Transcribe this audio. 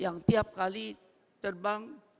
yang tiap kali terbang